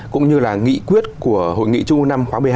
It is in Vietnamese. cũng như là nghị quyết của hội nghị trung ngương năm khoáng một mươi hai